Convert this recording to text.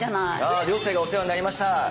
あ涼星がお世話になりました。